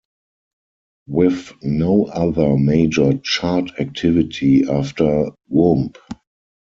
With no other major chart activity after Whoomp!